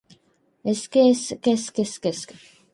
skskksksksks